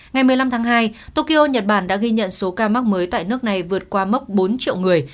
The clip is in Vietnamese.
ngày một mươi năm tháng hai tokyo nhật bản đã ghi nhận số ca mắc mới tại nước này vượt qua mốc bốn triệu người